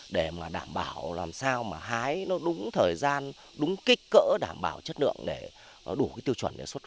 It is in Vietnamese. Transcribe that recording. để đủ tiêu chuẩn xuất khẩu sang thị trường úc